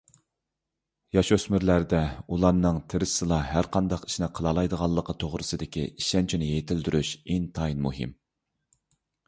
ياش-ئۆسمۈرلەردە ئۇلارنىڭ تىرىشسىلا ھەرقانداق ئىشنى قىلالايدىغانلىقى توغرىسىدىكى ئىشەنچىنى يېتىلدۈرۈش ئىنتايىن مۇھىم.